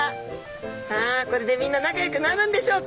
さあこれでみんな仲よくなるんでしょうか。